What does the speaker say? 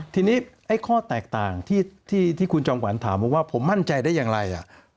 ทีนี้ไอ้ข้อแตกต่างที่คุณจอมขวัญถามว่าผมมั่นใจได้อย่างไร